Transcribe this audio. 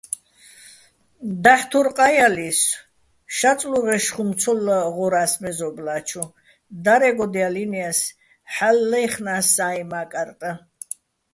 დაჰ̦ თურ ყაჲალისო̆, შაწლუღეშ ხუმ ცო ღორა́ს მეზობლა́ჩუ, დარე́გოდჲალინეს, ჰ̦ალო̆ ლაჲხნას საიჼ მაკარტაჼ.